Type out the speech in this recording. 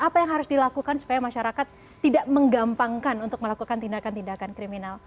apa yang harus dilakukan supaya masyarakat tidak menggampangkan untuk melakukan tindakan tindakan kriminal